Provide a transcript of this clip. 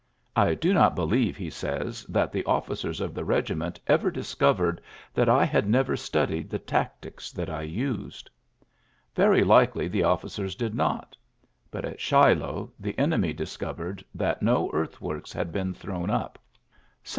"I do not believe, '^ he says, ^Hhat the officers of the regiment ever discovered that I had never studied the tactics that I used." Very likely the officers did not ; but at Shiloh the enemy discovered that no earth works had been thrown up. Somewhat ULYSSES S.